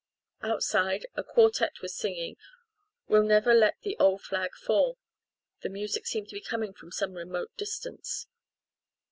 Outside, a quartette was singing "We'll never let the old flag fall" the music seemed to be coming from some remote distance.